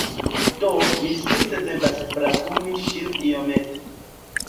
Do, mi simple devas brakumi ŝin iomete